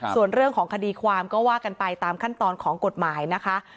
ส่วนเรื่องของคดีความก็ว่ากันไปตามขั้นตอนของกฎหมายนะคะ